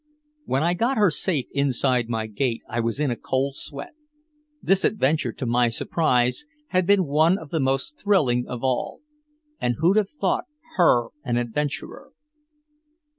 When I got her safe inside my gate I was in a cold sweat. This adventure, to my surprise, had been one of the most thrilling of all. And who'd have thought her an adventurer?